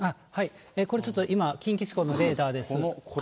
これ、ちょっと、今、近畿地方のレーダーです。